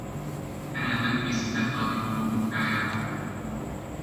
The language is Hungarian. Herenden készítette a diplomamunkáját.